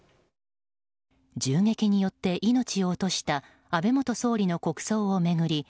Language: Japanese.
銃撃によって命を落とした安倍元総理の国葬を巡り